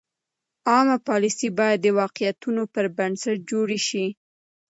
عامه پالیسۍ باید د واقعیتونو پر بنسټ جوړې شي.